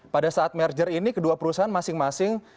pada saat merger ini kedua perusahaan masing masing